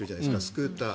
スクーター。